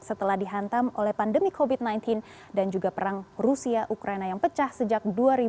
setelah dihantam oleh pandemi covid sembilan belas dan juga perang rusia ukraina yang pecah sejak dua ribu dua puluh